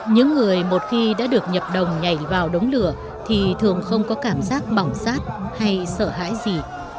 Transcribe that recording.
những người một khi đã được nhập đồng nhảy vào đống lửa thì thường không có cảm giác bỏng sát hay sợ hãi gì